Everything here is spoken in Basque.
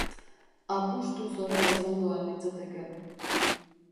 Apustu zoroa izango al litzateke.